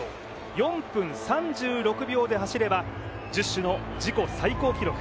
４分３６秒で走れば十種の自己最高記録。